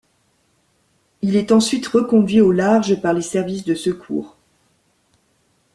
Il est ensuite reconduit au large par les services de secours.